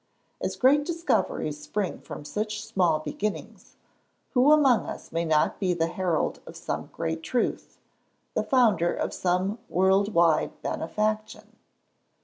As great discoveries spring from such small beginnings, who among us may not be the herald of some great truth the founder of some world wide benefaction?